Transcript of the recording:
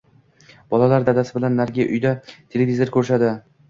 Bolalar dadasi bilan narigi uyda televizor ko`rishadi